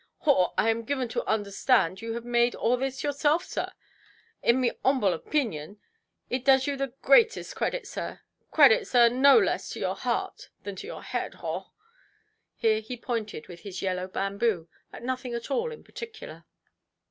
"Haw! I am given to understand you have made all this yourself, sir. In me 'umble opeenion, it does you the greatest credit, sir; credit, sir, no less to your heart than to your head. Haw"! Here he pointed with his yellow bamboo at nothing at all in particular.